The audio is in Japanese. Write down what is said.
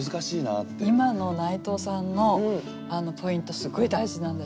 今の内藤さんのポイントすごい大事なんです。